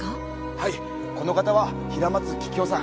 はいこの方は平松桔梗さん。